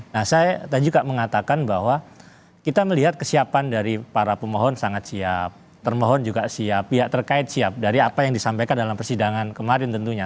nah saya tadi juga mengatakan bahwa kita melihat kesiapan dari para pemohon sangat siap termohon juga siap pihak terkait siap dari apa yang disampaikan dalam persidangan kemarin tentunya